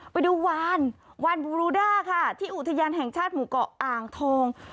ไปดูวานวานบูรูด้าค่ะที่อุทยานแห่งชาติหมู่เกาะอ่างทอง